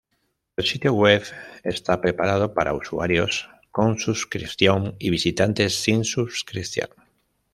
El sitio web está preparado para usuarios con suscripción y visitantes sin suscripción.